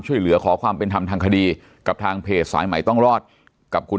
ช่วยเหลือขอความเป็นธรรมทางคดีกับทางเพจสายใหม่ต้องรอดกับคุณ